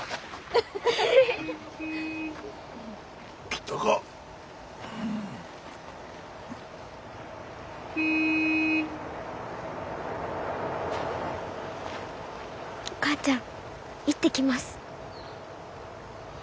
・来たか。お母ちゃん行ってきます。